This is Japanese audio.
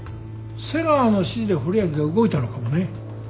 瀬川の指示で堀脇が動いたのかもね。